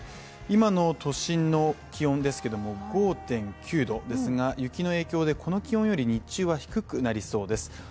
今の都心の気温は５．９度ですが、雪の影響で、この気温より日中は低くなりそうです。